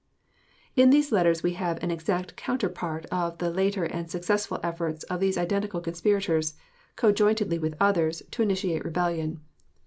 In these letters we have an exact counterpart of the later and successful efforts of these identical conspirators, conjointly with others, to initiate rebellion.